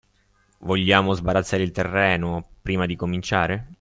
Vogliamo sbarazzare il terreno, prima di cominciare?